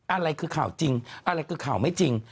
อะไรคือข่าวจริงอะไรคือข่าวไม่จริง